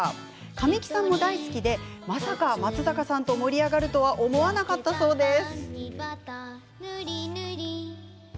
神木さんも大好きでまさか松坂さんと盛り上がるとは思わなかったそうです。